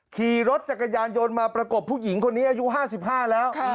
ขี่รถจักรยานยนต์มาประกบผู้หญิงคนนี้อายุ๕๕แล้ว